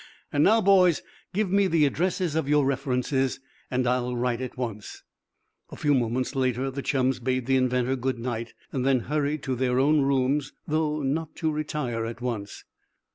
And now, boys, give me the addresses of your references, and I'll write at once." A few moments later the chums bade the inventor good night, then hurried to their own room, though not to retire at once.